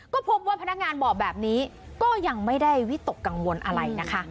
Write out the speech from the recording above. ก็พบว่าพนักงานบอกแบบนี้ก็ยังไม่ได้วิตกกังวลอะไรนะคะ